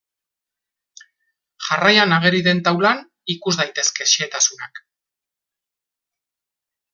Jarraian ageri den taulan ikus daitezke xehetasunak.